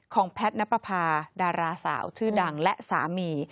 แพทย์นับประพาดาราสาวชื่อดังและสามี